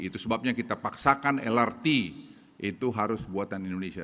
itu sebabnya kita paksakan lrt itu harus buatan indonesia